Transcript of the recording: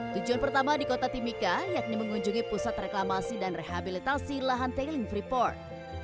tujuan pertama di kota timika yakni mengunjungi pusat reklamasi dan rehabilitasi lahan tailing freeport